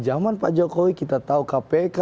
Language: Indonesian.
zaman pak jokowi kita tahu kpk